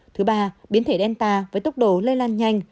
thứ ba biến thể delta với tốc độ lây lan nhanh